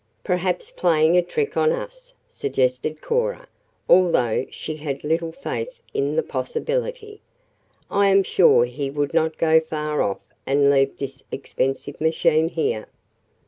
"Perhaps playing a trick on us," suggested Cora, although she had little faith in the possibility. "I am sure he would not go far off and leave this expensive machine here."